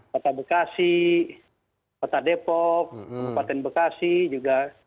kota bekasi kota depok kabupaten bekasi juga